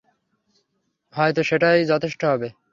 হয়তো সেটাই যথেষ্ট হবে।